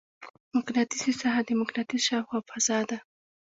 مقناطیسي ساحه د مقناطیس شاوخوا فضا ده.